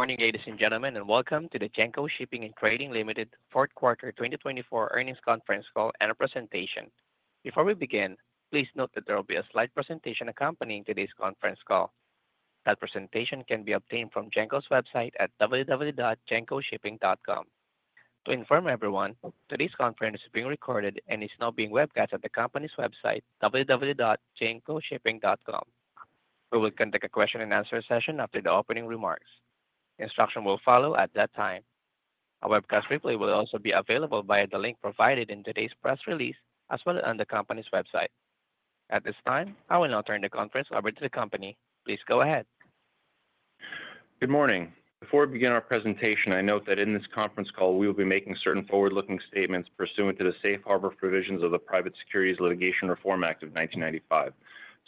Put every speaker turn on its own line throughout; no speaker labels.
Good morning, ladies and gentlemen, and welcome to the Genco Shipping & Trading Ltd fourth quarter 2024 earnings conference call and a presentation. Before we begin, please note that there will be a slide presentation accompanying today's conference call. That presentation can be obtained from Genco's website at www.gencoshipping.com. To inform everyone, today's conference is being recorded and is now being webcast at the company's website www.gencoshipping.com. We will conduct a question-and-answer session after the opening remarks. Instructions will follow at that time. A webcast replay will also be available via the link provided in today's press release, as well as on the company's website. At this time, I will now turn the conference over to the company. Please go ahead.
Good morning. Before we begin our presentation, I note that in this conference call we will be making certain forward-looking statements pursuant to the safe harbor provisions of the Private Securities Litigation Reform Act of 1995.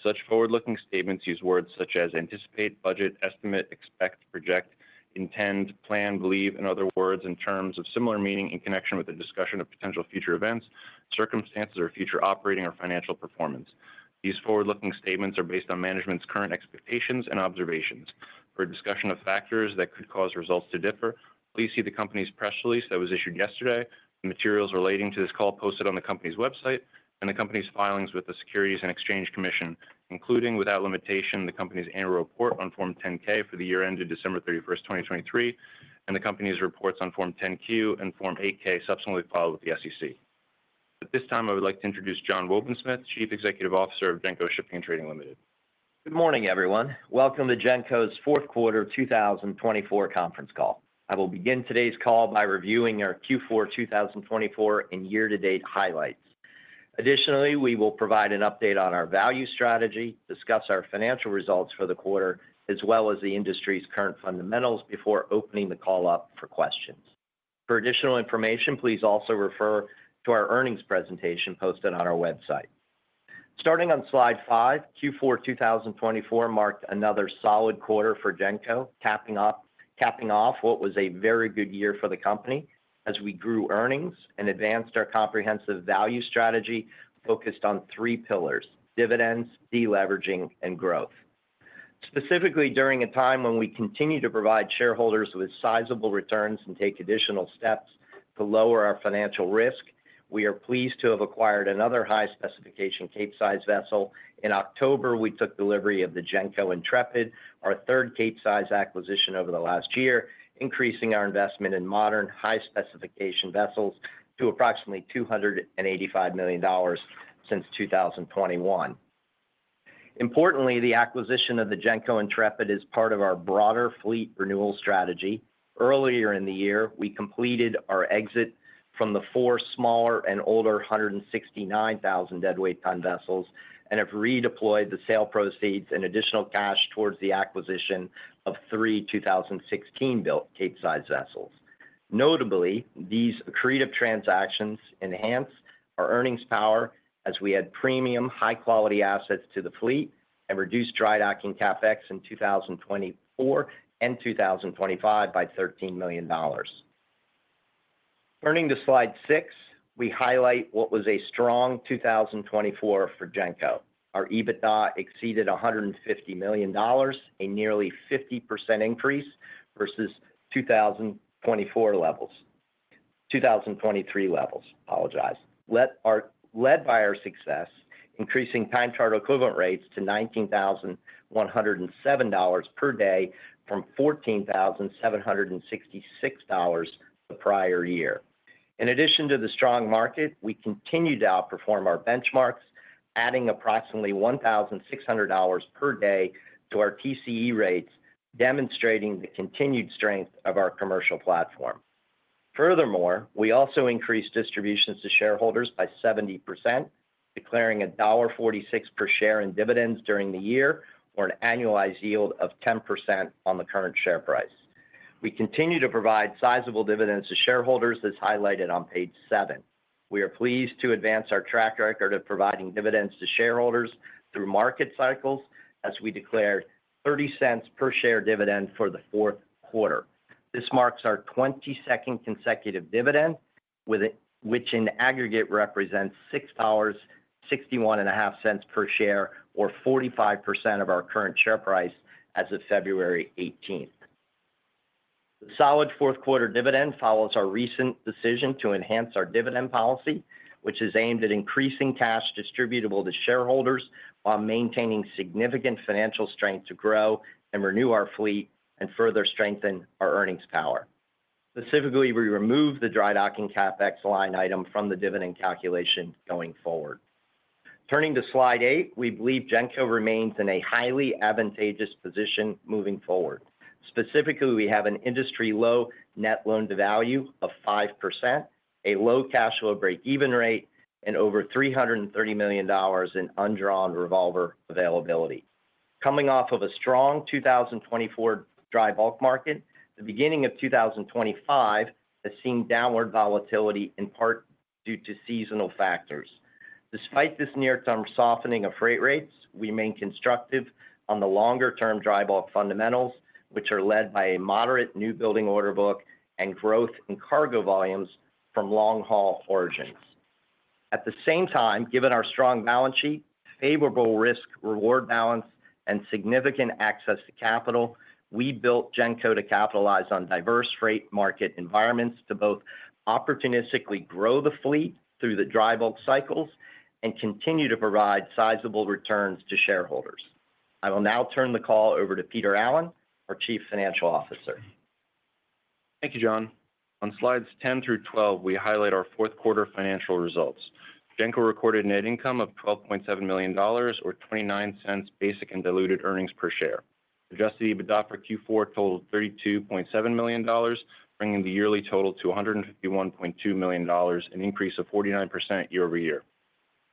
Such forward-looking statements use words such as anticipate, budget, estimate, expect, project, intend, plan, believe, and other words and terms of similar meaning in connection with the discussion of potential future events, circumstances, or future operating or financial performance. These forward-looking statements are based on management's current expectations and observations. For a discussion of factors that could cause results to differ, please see the company's press release that was issued yesterday, the materials relating to this call posted on the company's website, and the company's filings with the Securities and Exchange Commission, including, without limitation, the company's annual report on Form 10-K for the year ended December 31, 2023, and the company's reports on Form 10-Q and Form 8-K subsequently filed with the SEC. At this time, I would like to introduce John Wobensmith, Chief Executive Officer of Genco Shipping & Trading Ltd.
Good morning, everyone. Welcome to Genco's fourth quarter 2024 conference call. I will begin today's call by reviewing our Q4 2024 and year-to-date highlights. Additionally, we will provide an update on our value strategy, discuss our financial results for the quarter, as well as the industry's current fundamentals before opening the call up for questions. For additional information, please also refer to our earnings presentation posted on our website. Starting on slide five, Q4 2024 marked another solid quarter for Genco, capping off what was a very good year for the company as we grew earnings and advanced our comprehensive value strategy focused on three pillars: dividends, deleveraging, and growth. Specifically, during a time when we continue to provide shareholders with sizable returns and take additional steps to lower our financial risk, we are pleased to have acquired another high-specification capesize vessel. In October, we took delivery of the Genco Intrepid, our third capesize acquisition over the last year, increasing our investment in modern high-specification vessels to approximately $285 million since 2021. Importantly, the acquisition of the Genco Intrepid is part of our broader fleet renewal strategy. Earlier in the year, we completed our exit from the four smaller and older 169,000 deadweight ton vessels and have redeployed the sale proceeds and additional cash towards the acquisition of three 2016-built capesize vessels. Notably, these accretive transactions enhance our earnings power as we add premium, high-quality assets to the fleet and reduce dry docking CapEx in 2024 and 2025 by $13 million. Turning to slide six, we highlight what was a strong 2024 for Genco. Our EBITDA exceeded $150 million, a nearly 50% increase versus 2023 levels. Led to an increase in Time Charter Equivalent rates to $19,107 per day from $14,766 the prior year. In addition to the strong market, we continued to outperform our benchmarks, adding approximately $1,600 per day to our TCE rates, demonstrating the continued strength of our commercial platform. Furthermore, we also increased distributions to shareholders by 70%, declaring $1.46 per share in dividends during the year for an annualized yield of 10% on the current share price. We continue to provide sizable dividends to shareholders, as highlighted on page seven. We are pleased to advance our track record of providing dividends to shareholders through market cycles as we declared $0.30 per share dividend for the fourth quarter. This marks our 22nd consecutive dividend, which in aggregate represents $6.61 per share, or 45% of our current share price as of February 18. The solid fourth quarter dividend follows our recent decision to enhance our dividend policy, which is aimed at increasing cash distributable to shareholders while maintaining significant financial strength to grow and renew our fleet and further strengthen our earnings power. Specifically, we remove the dry docking CapEx line item from the dividend calculation going forward. Turning to slide eight, we believe Genco remains in a highly advantageous position moving forward. Specifically, we have an industry low net loan-to-value of 5%, a low cash flow break-even rate, and over $330 million in undrawn revolver availability. Coming off of a strong 2024 dry bulk market, the beginning of 2025 has seen downward volatility in part due to seasonal factors. Despite this near-term softening of freight rates, we remain constructive on the longer-term dry bulk fundamentals, which are led by a moderate newbuilding order book and growth in cargo volumes from long-haul origins. At the same time, given our strong balance sheet, favorable risk-reward balance, and significant access to capital, we built Genco to capitalize on diverse freight market environments to both opportunistically grow the fleet through the dry bulk cycles and continue to provide sizable returns to shareholders. I will now turn the call over to Peter Allen, our Chief Financial Officer.
Thank you, John. On slides 10 through 12, we highlight our fourth quarter financial results. Genco recorded net income of $12.7 million, or $0.29 basic and diluted earnings per share. Adjusted EBITDA for Q4 totaled $32.7 million, bringing the yearly total to $151.2 million, an increase of 49% year over year.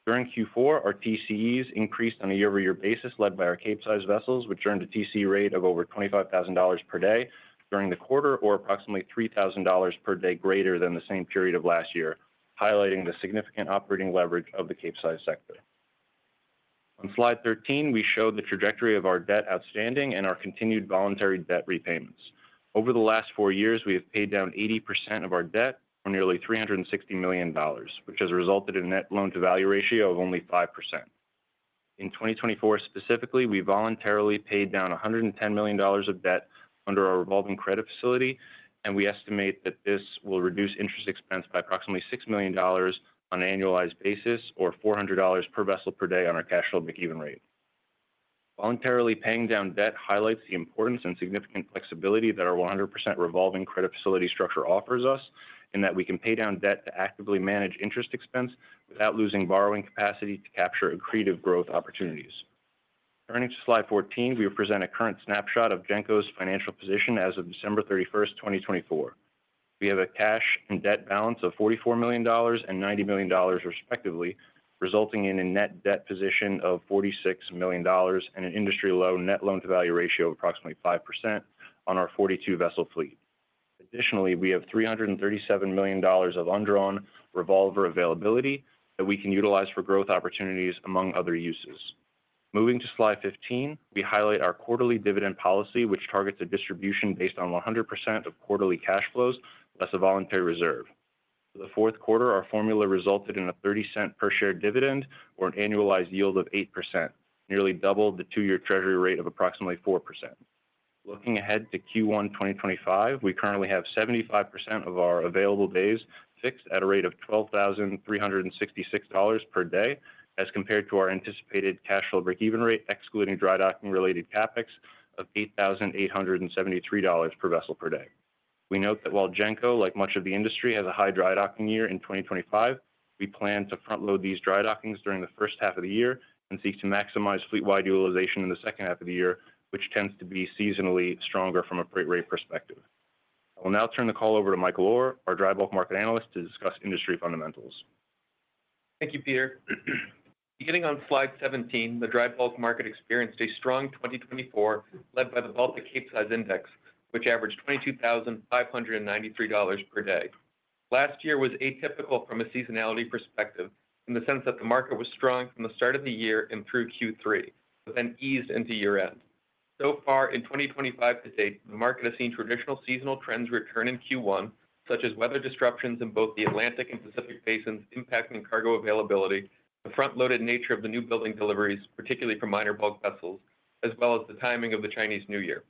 During Q4, our TCEs increased on a year-over-year basis led by our capesize vessels, which earned a TCE rate of over $25,000 per day during the quarter, or approximately $3,000 per day greater than the same period of last year, highlighting the significant operating leverage of the capesize sector. On slide 13, we show the trajectory of our debt outstanding and our continued voluntary debt repayments. Over the last four years, we have paid down 80% of our debt for nearly $360 million, which has resulted in a net loan-to-value ratio of only 5%. In 2024 specifically, we voluntarily paid down $110 million of debt under our revolving credit facility, and we estimate that this will reduce interest expense by approximately $6 million on an annualized basis, or $400 per vessel per day on our cash flow break-even rate. Voluntarily paying down debt highlights the importance and significant flexibility that our 100% revolving credit facility structure offers us, and that we can pay down debt to actively manage interest expense without losing borrowing capacity to capture accretive growth opportunities. Turning to slide 14, we will present a current snapshot of Genco's financial position as of December 31, 2024. We have a cash and debt balance of $44 million and $90 million, respectively, resulting in a net debt position of $46 million and an industry low net loan-to-value ratio of approximately 5% on our 42-vessel fleet. Additionally, we have $337 million of undrawn revolver availability that we can utilize for growth opportunities, among other uses. Moving to slide 15, we highlight our quarterly dividend policy, which targets a distribution based on 100% of quarterly cash flows as a voluntary reserve. For the fourth quarter, our formula resulted in a $0.30 per share dividend, or an annualized yield of 8%, nearly double the two-year treasury rate of approximately 4%. Looking ahead to Q1 2025, we currently have 75% of our available days fixed at a rate of $12,366 per day, as compared to our anticipated cash flow break-even rate, excluding dry docking-related CapEx, of $8,873 per vessel per day. We note that while Genco, like much of the industry, has a high dry docking year in 2025, we plan to front-load these dry dockings during the first half of the year and seek to maximize fleet-wide utilization in the second half of the year, which tends to be seasonally stronger from a freight rate perspective. I will now turn the call over to Michael Orr, our dry bulk market analyst, to discuss industry fundamentals.
Thank you, Peter. Beginning on slide 17, the dry bulk market experienced a strong 2024 led by the Baltic Capesize Index, which averaged $22,593 per day. Last year was atypical from a seasonality perspective in the sense that the market was strong from the start of the year and through Q3, but then eased into year-end. So far, in 2025 to date, the market has seen traditional seasonal trends return in Q1, such as weather disruptions in both the Atlantic Basin and Pacific Basin impacting cargo availability, the front-loaded nature of the newbuilding deliveries, particularly for minor bulk vessels, as well as the timing of the Chinese New Year.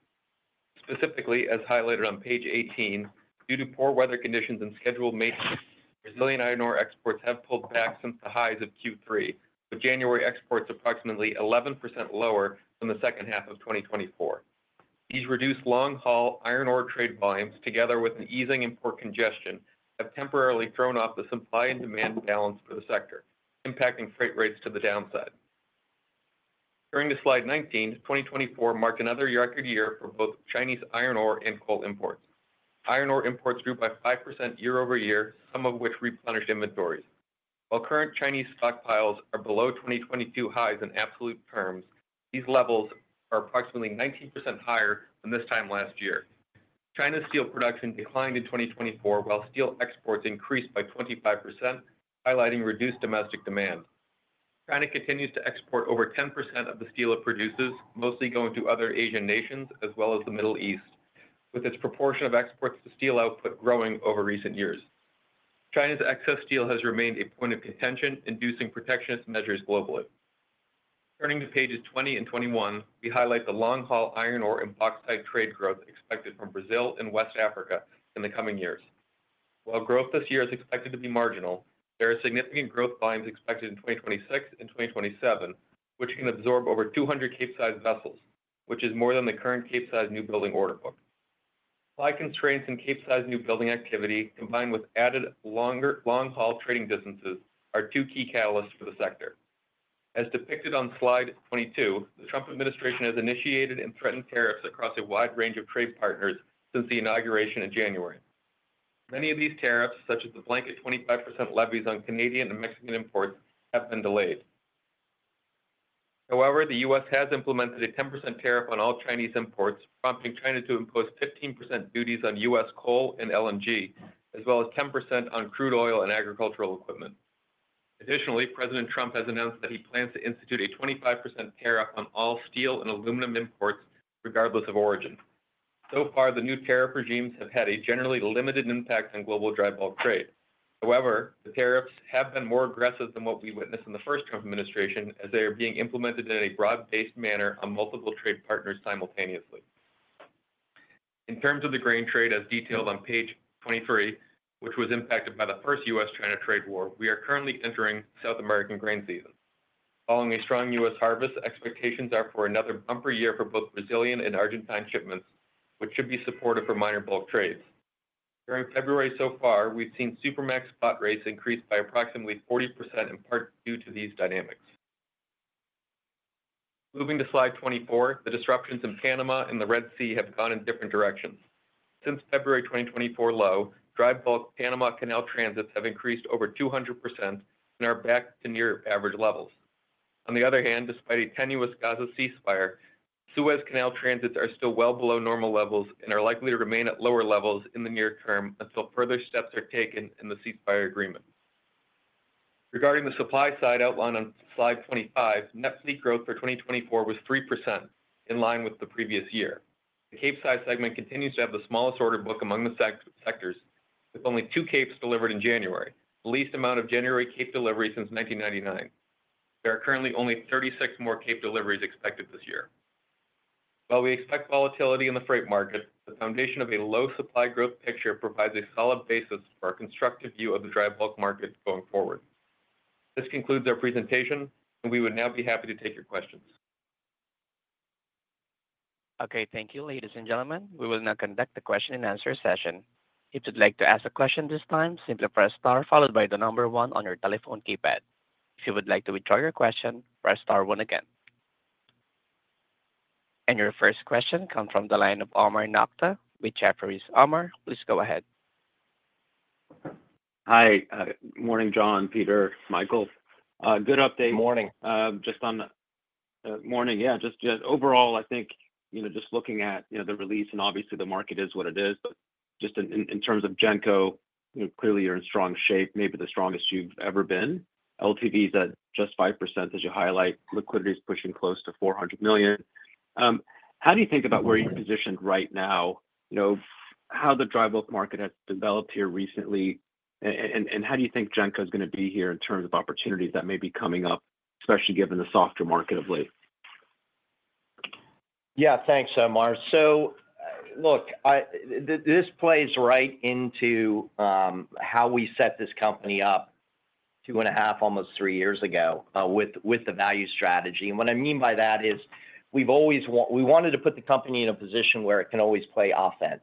Specifically, as highlighted on page 18, due to poor weather conditions and scheduled maintenance, Brazilian iron ore exports have pulled back since the highs of Q3, with January exports approximately 11% lower than the second half of 2024. These reduced long-haul iron ore trade volumes, together with an easing in port congestion, have temporarily thrown off the supply and demand balance for the sector, impacting freight rates to the downside. Turning to slide 19, 2024 marked another record year for both Chinese iron ore and coal imports. Iron ore imports grew by 5% year over year, some of which replenished inventories. While current Chinese stockpiles are below 2022 highs in absolute terms, these levels are approximately 19% higher than this time last year. China's steel production declined in 2024, while steel exports increased by 25%, highlighting reduced domestic demand. China continues to export over 10% of the steel it produces, mostly going to other Asian nations as well as the Middle East, with its proportion of exports to steel output growing over recent years. China's excess steel has remained a point of contention, inducing protectionist measures globally. Turning to pages 20 and 21, we highlight the long-haul iron ore and bauxite trade growth expected from Brazil and West Africa in the coming years. While growth this year is expected to be marginal, there are significant growth volumes expected in 2026 and 2027, which can absorb over 200 capesize vessels, which is more than the current Capesize newbuilding orderbook. Supply constraints and Capesize newbuilding activity, combined with added long-haul trading distances, are two key catalysts for the sector. As depicted on slide 22, the Trump administration has initiated and threatened tariffs across a wide range of trade partners since the inauguration in January. Many of these tariffs, such as the blanket 25% levies on Canadian and Mexican imports, have been delayed. However, the U.S. has implemented a 10% tariff on all Chinese imports, prompting China to impose 15% duties on U.S. coal and LNG, as well as 10% on crude oil and agricultural equipment. Additionally, President Trump has announced that he plans to institute a 25% tariff on all steel and aluminum imports, regardless of origin. So far, the new tariff regimes have had a generally limited impact on global dry bulk trade. However, the tariffs have been more aggressive than what we witnessed in the first Trump administration, as they are being implemented in a broad-based manner on multiple trade partners simultaneously. In terms of the grain trade, as detailed on page 23, which was impacted by the first U.S.-China trade war, we are currently entering South American grain season. Following a strong U.S. harvest, expectations are for another bumper year for both Brazilian and Argentine shipments, which should be supportive for minor bulk trades. During February so far, we've seen supramax spot rates increased by approximately 40%, in part due to these dynamics. Moving to slide 24, the disruptions in Panama and the Red Sea have gone in different directions. Since February 2024 low, dry bulk Panama Canal transits have increased over 200% and are back to near-average levels. On the other hand, despite a tenuous Gaza ceasefire, Suez Canal transits are still well below normal levels and are likely to remain at lower levels in the near term until further steps are taken in the ceasefire agreement. Regarding the supply side outline on slide 25, net fleet growth for 2024 was 3%, in line with the previous year. The capesize segment continues to have the smallest order book among the sectors, with only two capesize delivered in January, the least amount of January capesize delivery since 1999. There are currently only 36 more cape deliveries expected this year. While we expect volatility in the freight market, the foundation of a low supply growth picture provides a solid basis for our constructive view of the dry bulk market going forward. This concludes our presentation, and we would now be happy to take your questions.
Okay, thank you, ladies and gentlemen. We will now conduct the question and answer session. If you'd like to ask a question this time, simply press star followed by the number one on your telephone keypad. If you would like to withdraw your question, press star one again. And your first question comes from the line of Omar Nokta. We chat for Mr. Omar. Please go ahead.
Hi. Good morning, John, Peter, Michael. Good update.
Good morning.
Just this morning, yeah, just overall, I think, you know, just looking at, you know, the release and obviously the market is what it is. But just in terms of Genco, you know, clearly you're in strong shape, maybe the strongest you've ever been. LTV is at just 5%, as you highlight. Liquidity is pushing close to $400 million. How do you think about where you're positioned right now? How the dry bulk market has developed here recently, and how do you think Genco is going to be here in terms of opportunities that may be coming up, especially given the softer market of late?
Yeah, thanks, Omar. So, look, this plays right into how we set this company up two and a half, almost three years ago with the value strategy. And what I mean by that is we've always wanted to put the company in a position where it can always play offense.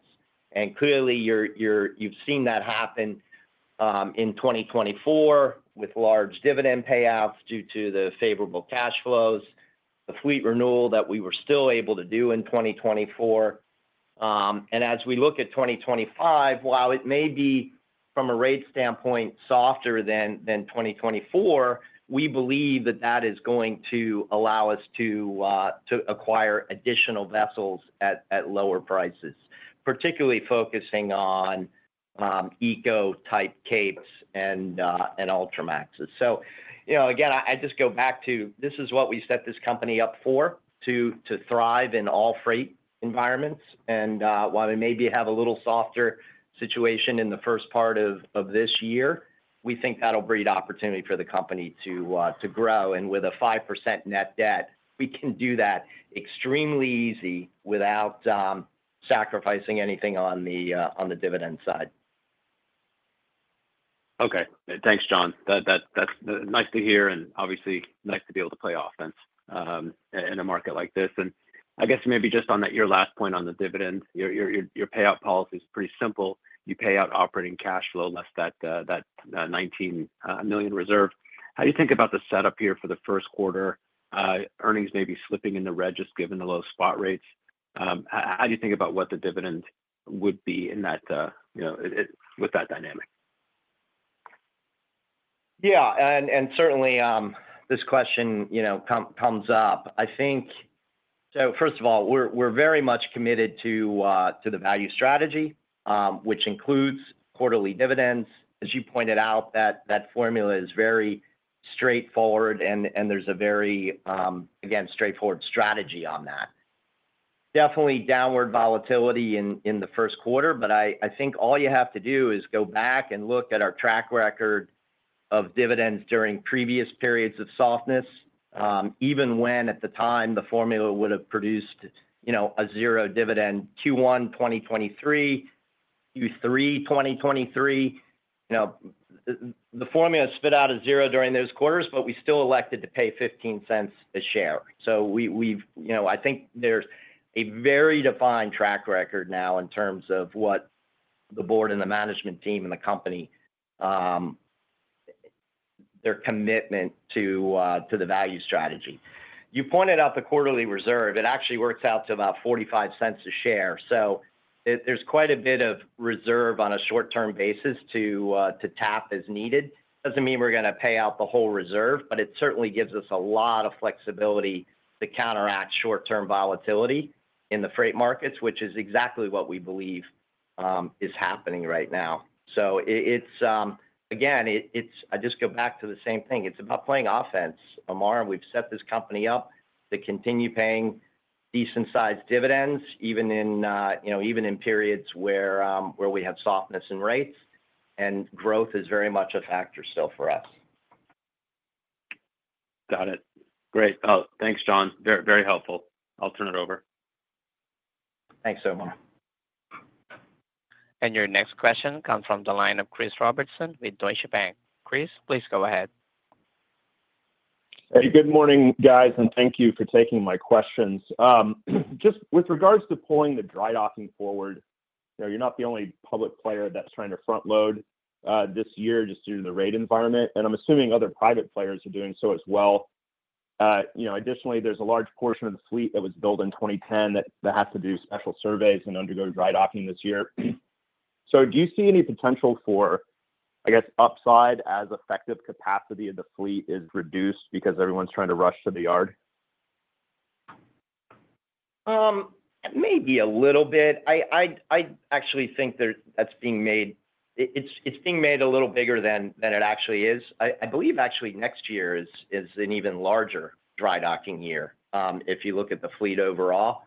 And clearly, you've seen that happen in 2024 with large dividend payouts due to the favorable cash flows, the fleet renewal that we were still able to do in 2024. And as we look at 2025, while it may be, from a rate standpoint, softer than 2024, we believe that that is going to allow us to acquire additional vessels at lower prices, particularly focusing on ECO-type capes and ultramaxes. So, you know, again, I just go back to this is what we set this company up for, to thrive in all freight environments. While we maybe have a little softer situation in the first part of this year, we think that'll breed opportunity for the company to grow. With a 5% net debt, we can do that extremely easy without sacrificing anything on the dividend side.
Okay. Thanks, John. That's nice to hear, and obviously nice to be able to play offense in a market like this. And I guess maybe just on your last point on the dividend, your payout policy is pretty simple. You pay out operating cash flow, less that $19 million reserve. How do you think about the setup here for the first quarter? Earnings may be slipping in the red, just given the low spot rates. How do you think about what the dividend would be in that, you know, with that dynamic?
Yeah, and certainly this question, you know, comes up. I think, so first of all, we're very much committed to the value strategy, which includes quarterly dividends. As you pointed out, that formula is very straightforward, and there's a very, again, straightforward strategy on that. Definitely downward volatility in the first quarter, but I think all you have to do is go back and look at our track record of dividends during previous periods of softness, even when at the time the formula would have produced, you know, a zero dividend Q1 2023, Q3 2023. You know, the formula spit out a zero during those quarters, but we still elected to pay $0.15 a share. So we've, you know, I think there's a very defined track record now in terms of what the board and the management team and the company, their commitment to the value strategy. You pointed out the quarterly reserve. It actually works out to about $0.45 a share. So there's quite a bit of reserve on a short-term basis to tap as needed. Doesn't mean we're going to pay out the whole reserve, but it certainly gives us a lot of flexibility to counteract short-term volatility in the freight markets, which is exactly what we believe is happening right now. So it's, again, it's, I just go back to the same thing. It's about playing offense, Omar. We've set this company up to continue paying decent-sized dividends, even in, you know, even in periods where we have softness in rates, and growth is very much a factor still for us.
Got it. Great. Thanks, John. Very helpful. I'll turn it over.
Thanks, Omar.
Your next question comes from the line of Chris Robertson with Deutsche Bank. Chris, please go ahead.
Hey, good morning, guys, and thank you for taking my questions. Just with regards to pulling the dry docking forward, you know, you're not the only public player that's trying to front-load this year just due to the rate environment, and I'm assuming other private players are doing so as well. You know, additionally, there's a large portion of the fleet that was built in 2010 that has to do special surveys and undergo dry docking this year, so do you see any potential for, I guess, upside as effective capacity of the fleet is reduced because everyone's trying to rush to the yard?
Maybe a little bit. I actually think that's being made, it's being made a little bigger than it actually is. I believe actually next year is an even larger dry docking year if you look at the fleet overall.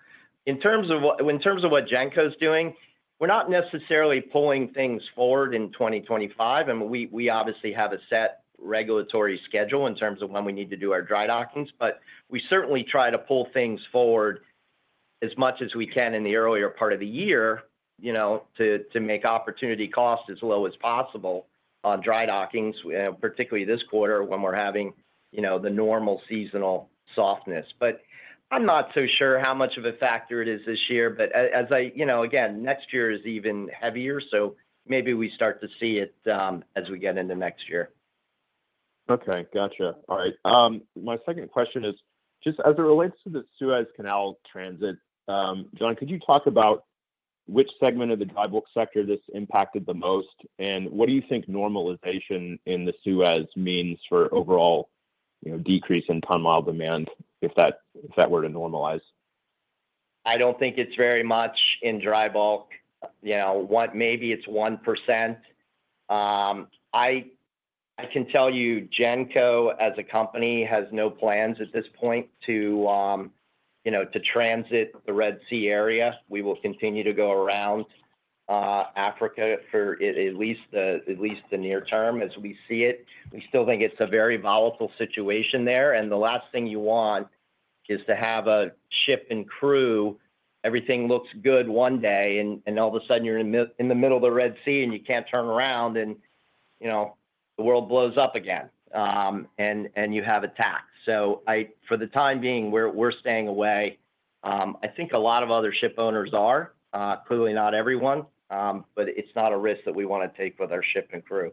In terms of what Genco is doing, we're not necessarily pulling things forward in 2025. And we obviously have a set regulatory schedule in terms of when we need to do our dry dockings, but we certainly try to pull things forward as much as we can in the earlier part of the year, you know, to make opportunity cost as low as possible on dry dockings, particularly this quarter when we're having, you know, the normal seasonal softness. But I'm not so sure how much of a factor it is this year, but as I, you know, again, next year is even heavier, so maybe we start to see it as we get into next year.
Okay, gotcha. All right. My second question is just as it relates to the Suez Canal transit, John, could you talk about which segment of the dry bulk sector this impacted the most, and what do you think normalization in the Suez means for overall, you know, decrease in ton mile demand if that were to normalize?
I don't think it's very much in dry bulk. You know, maybe it's 1%. I can tell you Genco as a company has no plans at this point to, you know, to transit the Red Sea area. We will continue to go around Africa for at least the near term as we see it. We still think it's a very volatile situation there, and the last thing you want is to have a ship and crew, everything looks good one day, and all of a sudden you're in the middle of the Red Sea and you can't turn around and, you know, the world blows up again and you have attack, so for the time being, we're staying away. I think a lot of other ship owners are, clearly not everyone, but it's not a risk that we want to take with our ship and crew.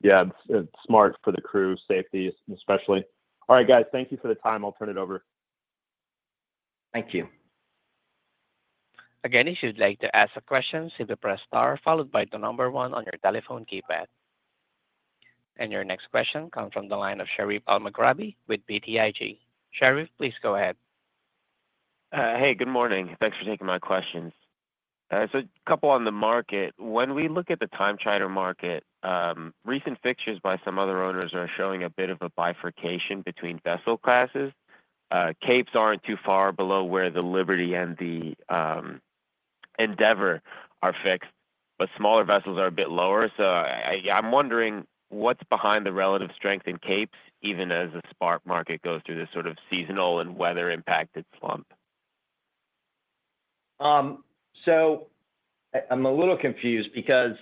Yeah, it's smart for the crew's safety, especially. All right, guys, thank you for the time. I'll turn it over.
Thank you.
Again, if you'd like to ask a question, simply press star followed by the number one on your telephone keypad. And your next question comes from the line of Sherif Elmaghrabi with BTIG. Sherif, please go ahead.
Hey, good morning. Thanks for taking my questions. So a couple on the market. When we look at the time charter market, recent fixtures by some other owners are showing a bit of a bifurcation between vessel classes. capes aren't too far below where the Liberty and the Endeavour are fixed, but smaller vessels are a bit lower. So I'm wondering what's behind the relative strength in capes, even as the spot market goes through this sort of seasonal and weather-impacted slump.
So I'm a little confused because,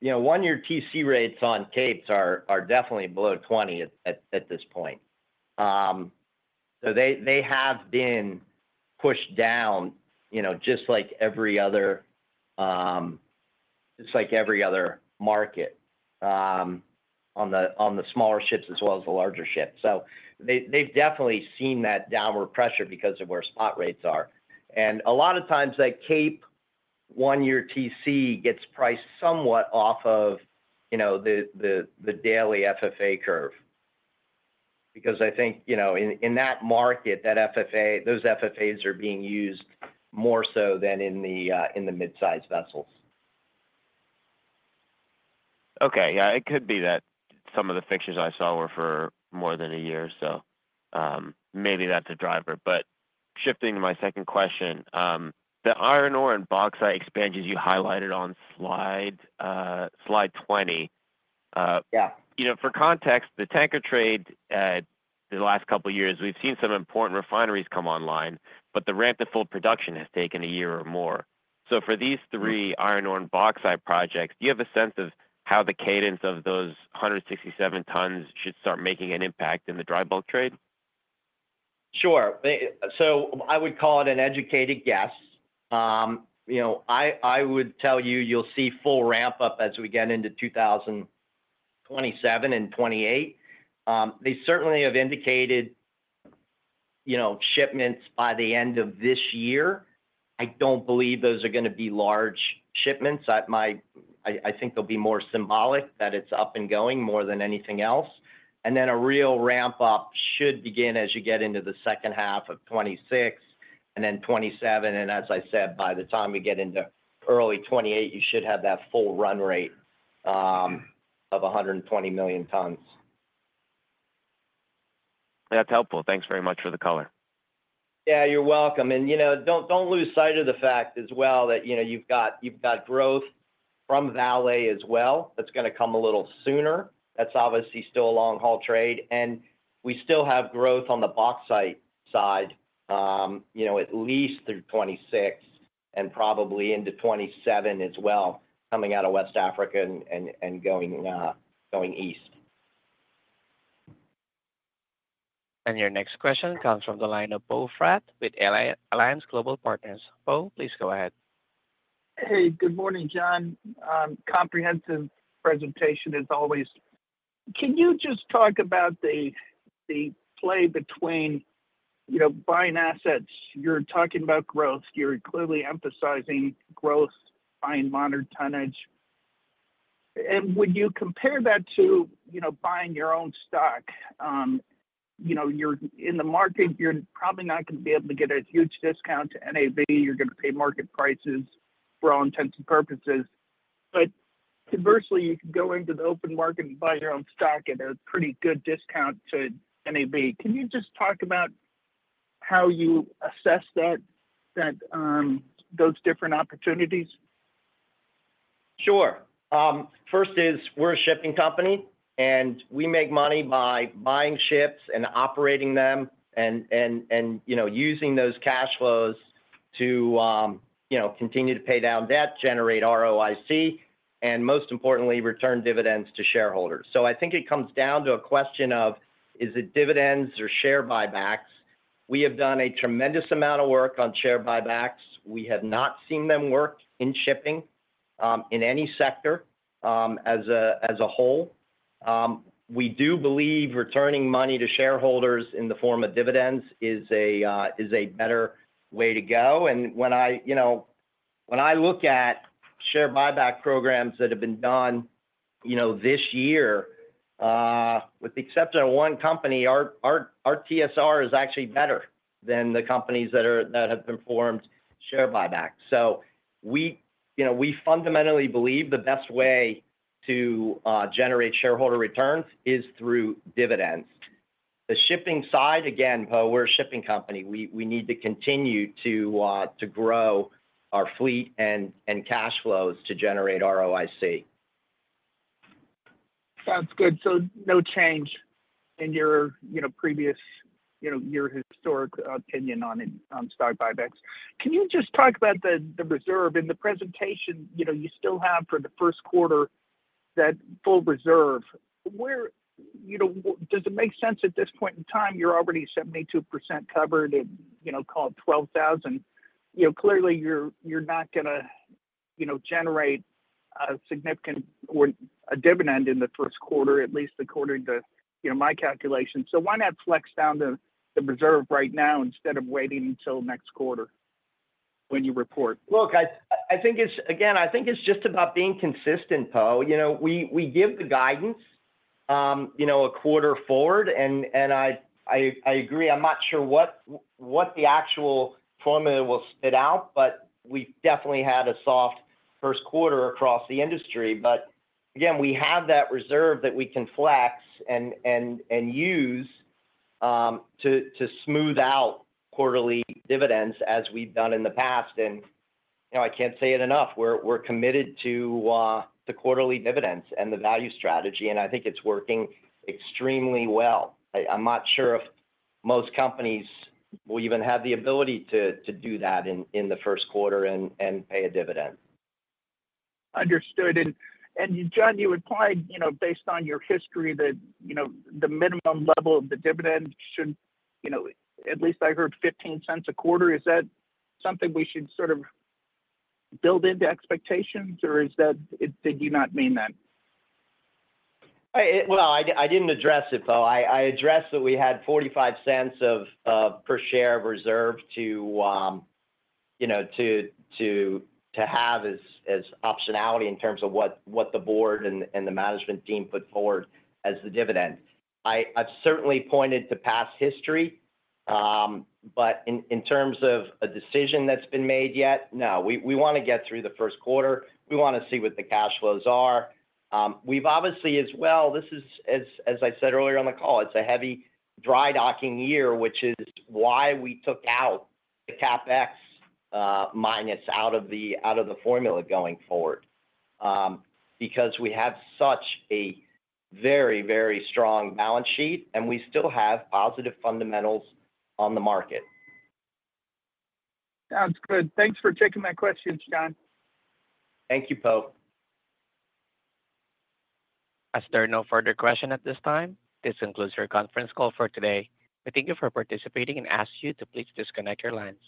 you know, one, your TC rates on capes are definitely below 20 at this point. So they have been pushed down, you know, just like every other, just like every other market on the smaller ships as well as the larger ships. So they've definitely seen that downward pressure because of where spot rates are. And a lot of times that cape one-year TC gets priced somewhat off of, you know, the daily FFA curve. Because I think, you know, in that market, those FFAs are being used more so than in the midsize vessels.
Okay. Yeah, it could be that some of the fixtures I saw were for more than a year. So maybe that's a driver. But shifting to my second question, the iron ore and bauxite expansions you highlighted on slide 20.
Yeah.
You know, for context, the tanker trade the last couple of years, we've seen some important refineries come online, but the ramp to full production has taken a year or more. So for these three iron ore and bauxite projects, do you have a sense of how the cadence of those 167 tons should start making an impact in the dry bulk trade?
Sure. So I would call it an educated guess. You know, I would tell you you'll see full ramp up as we get into 2027 and 2028. They certainly have indicated, you know, shipments by the end of this year. I don't believe those are going to be large shipments. I think they'll be more symbolic that it's up and going more than anything else. And then a real ramp up should begin as you get into the second half of 2026 and then 2027. And as I said, by the time we get into early 2028, you should have that full run rate of 120 million tons.
That's helpful. Thanks very much for the color.
Yeah, you're welcome. And, you know, don't lose sight of the fact as well that, you know, you've got growth from Vale as well that's going to come a little sooner. That's obviously still a long-haul trade. And we still have growth on the bauxite side, you know, at least through 2026 and probably into 2027 as well, coming out of West Africa and going east.
Your next question comes from the line of Poe Fratt with Alliance Global Partners Poe, please go ahead.
Hey, good morning, John. Comprehensive presentation is always. Can you just talk about the play between, you know, buying assets? You're talking about growth. You're clearly emphasizing growth, buying modern tonnage, and would you compare that to, you know, buying your own stock? You know, you're in the market, you're probably not going to be able to get a huge discount to NAV. You're going to pay market prices for all intents and purposes, but conversely, you can go into the open market and buy your own stock at a pretty good discount to NAV. Can you just talk about how you assess those different opportunities?
Sure. First is we're a shipping company, and we make money by buying ships and operating them and, you know, using those cash flows to, you know, continue to pay down debt, generate ROIC, and most importantly, return dividends to shareholders. So I think it comes down to a question of, is it dividends or share buybacks? We have done a tremendous amount of work on share buybacks. We have not seen them work in shipping in any sector as a whole. We do believe returning money to shareholders in the form of dividends is a better way to go. And when I, you know, when I look at share buyback programs that have been done, you know, this year, with the exception of one company, our TSR is actually better than the companies that have performed share buybacks. So we, you know, we fundamentally believe the best way to generate shareholder returns is through dividends. The shipping side, again, Poe, we're a shipping company. We need to continue to grow our fleet and cash flows to generate ROIC.
Sounds good. So no change in your, you know, previous, you know, your historic opinion on stock buybacks. Can you just talk about the reserve in the presentation, you know, you still have for the first quarter that full reserve? Where, you know, does it make sense at this point in time? You're already 72% covered and, you know, called $12,000. You know, clearly you're not going to, you know, generate a significant or any dividend in the first quarter, at least according to my calculation. So why not flex down the reserve right now instead of waiting until next quarter when you report?
Look, I think it's, again, I think it's just about being consistent, Bo. You know, we give the guidance, you know, a quarter forward, and I agree. I'm not sure what the actual formula will spit out, but we definitely had a soft first quarter across the industry. But again, we have that reserve that we can flex and use to smooth out quarterly dividends as we've done in the past. And, you know, I can't say it enough. We're committed to the quarterly dividends and the value strategy, and I think it's working extremely well. I'm not sure if most companies will even have the ability to do that in the first quarter and pay a dividend.
Understood. And John, you implied, you know, based on your history that, you know, the minimum level of the dividend should, you know, at least I heard $0.15 a quarter. Is that something we should sort of build into expectations, or is that, did you not mean that?
I didn't address it, Poe. I addressed that we had $0.45 per share of reserve to, you know, to have as optionality in terms of what the board and the management team put forward as the dividend. I've certainly pointed to past history, but in terms of a decision that's been made yet, no. We want to get through the first quarter. We want to see what the cash flows are. We've obviously as well, this is, as I said earlier on the call, it's a heavy dry docking year, which is why we took out the CapEx minus out of the formula going forward. Because we have such a very, very strong balance sheet and we still have positive fundamentals on the market.
Sounds good. Thanks for taking my questions, John.
Thank you, Poe.
As there are no further questions at this time, this concludes your conference call for today. We thank you for participating and ask you to please disconnect your lines.